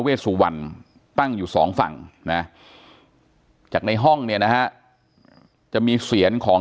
สุวรรณตั้งอยู่สองฝั่งนะจากในห้องเนี่ยนะฮะจะมีเสียงของ